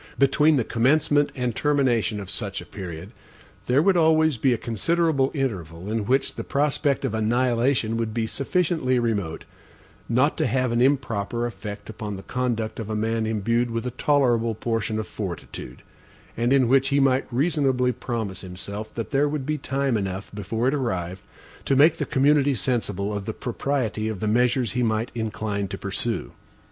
Between the commencement and termination of such a period, there would always be a considerable interval, in which the prospect of annihilation would be sufficiently remote, not to have an improper effect upon the conduct of a man indued with a tolerable portion of fortitude; and in which he might reasonably promise himself, that there would be time enough before it arrived, to make the community sensible of the propriety of the measures he might incline to pursue.